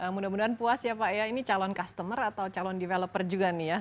mudah mudahan puas ya pak ya ini calon customer atau calon developer juga nih ya